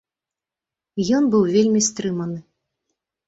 Ён быў вельмі стрыманы.